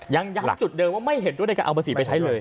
ยังย้ำจุดเดิมว่าไม่เห็นด้วยในการเอาภาษีไปใช้เลย